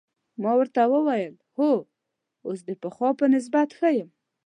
ما ورته وویل: هو، اوس د پخوا په نسبت ښه یم.